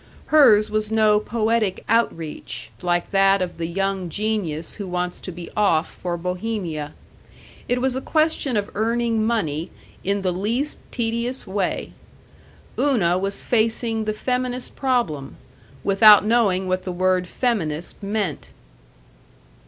Hers was no poetic outreach like that of the young genius who wants to be off for Bohemia. It was a question of earning money in the least tedious way. Una was facing the feminist problem, without knowing what the word "feminist" meant.